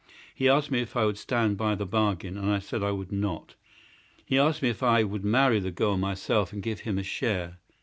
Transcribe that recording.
He asked me if I would stand by the bargain. I said I would not. He asked me if I would marry the girl myself and give him a share.